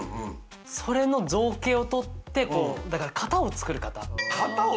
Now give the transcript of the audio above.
それの造型をとってだから型を作る方。